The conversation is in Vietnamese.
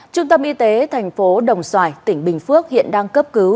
trung tâm y tế thành phố đồng xoài tỉnh bình phước hiện đang cấp cứu